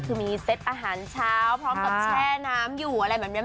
คือมีเซ็ตอาหารเช้าพร้อมกับแช่น้ำอยู่อะไรแบบนี้